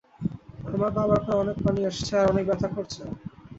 আমার বাবার পায়ে অনেক পানি আসছে আর অনেক ব্যথা করছে।